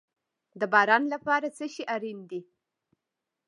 د باران لپاره څه شی اړین دي؟